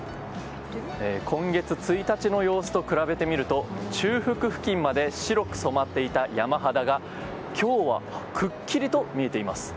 今月１日の様子と比べてみると中腹付近まで白く染まっていた山肌が今日はくっきりと見えています。